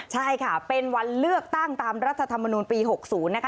ใช่ค่ะเป็นวันเลือกตั้งตามรัฐธรรมนูลปี๖๐นะคะ